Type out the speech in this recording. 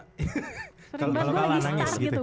kalau pembalap kan lah nangis gitu